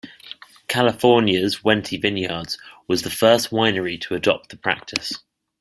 California's Wente Vineyards was the first winery to adopt the practice.